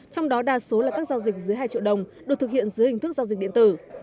trong đó đa số là các giao dịch dưới hai triệu đồng được thực hiện dưới hình thức giao dịch điện tử